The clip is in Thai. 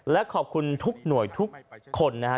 และขอบคุณทุกหน่วยทุกคนนะฮะ